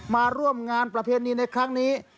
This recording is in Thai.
มาร่วมงานประเพณีในครั้งนี้